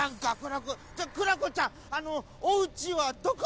じゃクラコちゃんあのおうちはどこ？